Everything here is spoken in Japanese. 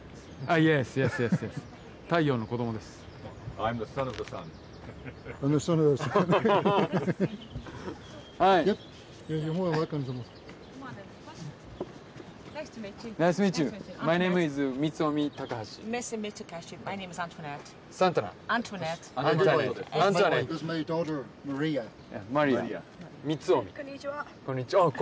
あっこんにちは！